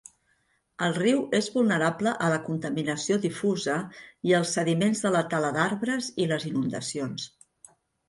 El riu és vulnerable a la contaminació difusa i als sediments de la tala d'arbres i les inundacions.